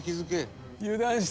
「油断してる」